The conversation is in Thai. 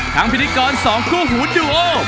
ทางพิธีกร๒คู่หูดวง